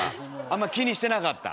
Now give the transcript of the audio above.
あんま気にしてなかった。